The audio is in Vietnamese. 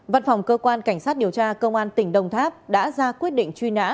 văn phòng cơ quan cảnh sát điều tra công an tỉnh đồng tháp đã ra quyết định truy nã